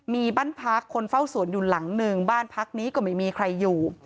มีบ้านพักคนเฝ้าสวนอยู่หลังหนึ่งบ้านพักนี้ก็ไม่มีใครอยู่